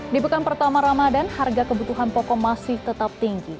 di pekan pertama ramadan harga kebutuhan pokok masih tetap tinggi